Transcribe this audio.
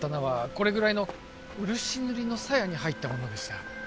これぐらいの漆塗りのさやに入ったものでした